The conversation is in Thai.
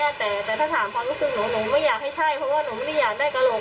แต่แต่ถ้าถามความรู้สึกหนูหนูไม่อยากให้ใช่เพราะว่าหนูไม่ได้อยากได้กระโหลก